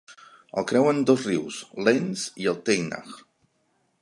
El creuen dos rius, l'Enz i el Teinach.